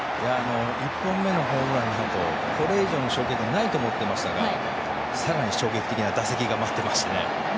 １本目のホームランでこれ以上の衝撃はないと思ってましたが更に衝撃的な打席が待っていましたね。